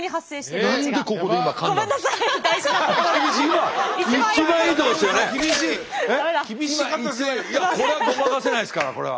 いやこれはごまかせないですからこれは。